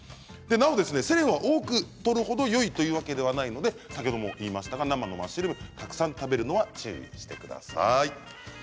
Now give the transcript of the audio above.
なおセレンは多くとる程よいというわけではないので先ほども言いましたが生のマッシュルームをたくさん食べるのは注意してください。